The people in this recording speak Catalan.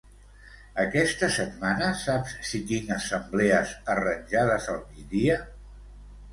Aquesta setmana saps si tinc assemblees arranjades al migdia?